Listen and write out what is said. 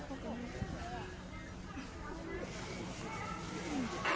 ตายอีกแล้ว